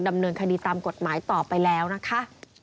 ดำเนินคดีตามกฎหมายต่อไปแล้วนะคะ